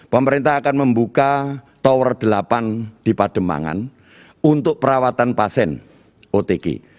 pemerintah akan membuka tower delapan di pademangan untuk perawatan pasien otg